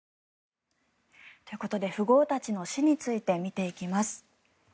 ということで富豪たちの死について見ていきます。